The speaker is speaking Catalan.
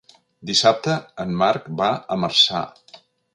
Dissabte en Marc va a Marçà.